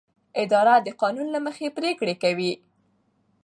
اداره د قانون له مخې پریکړې کوي.